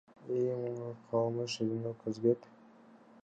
ИИМ кылмыш ишин козгоп, тергөө амалдары жүрүүдө.